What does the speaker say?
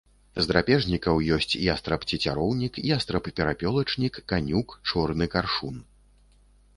З драпежнікаў ёсць ястраб-цецяроўнік, ястраб-перапёлачнік, канюк, чорны каршун.